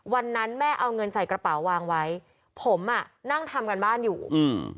วันนั้นแม่เอาเงินใส่กระเป๋าวางไว้ผมอ่ะนั่งทำการบ้านอยู่อืม